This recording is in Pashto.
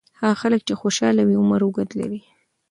هغه خلک چې خوشاله وي، عمر اوږد لري.